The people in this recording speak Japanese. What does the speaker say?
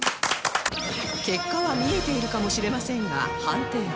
結果は見えているかもしれませんが判定は？